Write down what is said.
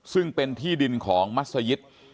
ซึ่งเป็นที่ดินของมัศยิต